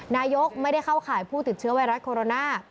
นายกไม่ได้เข้าข่ายผู้ติดเชื้อไวรัสโคโรนา